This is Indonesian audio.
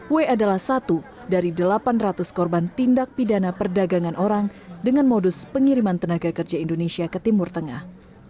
w adalah satu dari delapan ratus korban tindak pidana perdagangan orang dengan modus pengiriman tenaga kerja indonesia ke timur tengah